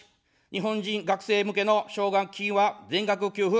日本人学生向けの奨学金は全額給付。